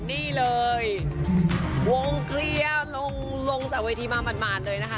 นี่เลยวงเคลียร์ลงจากเวทีมาหมาดเลยนะคะ